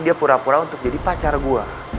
dia pura pura untuk jadi pacar gue